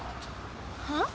はあ？